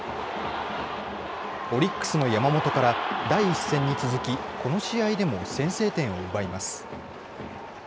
オリックスの山本から第１戦に続きこの試合でも先制点を奪います。